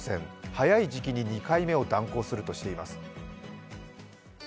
早い時期に２回目を断行するとしています。